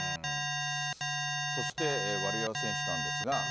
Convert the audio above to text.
そしてワリエワ選手なんですが。